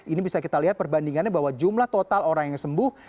ini bisa kita lihat perbandingannya bahwa jumlah total orang yang sembuh